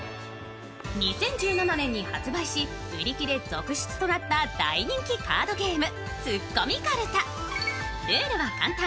２０１７年に発売し売り切れ続出となった大人気カードゲーム「ツッコミかるた」、ルールは簡単。